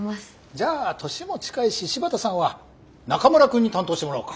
じゃあ年も近いし柴田さんは中村くんに担当してもらおうか。